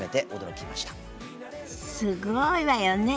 すごいわよね。